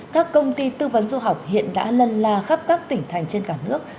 các công ty tư vấn du học hiện đã lân la khắp các tỉnh thành trên cả nước